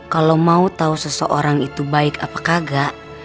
kalau mau tau seseorang itu baik apa kagak